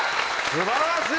素晴らしい。